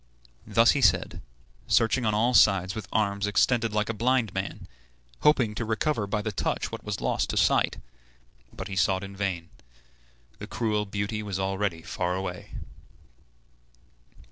Thus he said, searching on all sides with arms extended like a blind man, hoping to recover by the touch what was lost to sight; but he sought in vain. The cruel beauty was already far away.